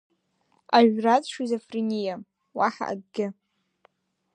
Ажәратә шизофрениа, уаҳа акгьы!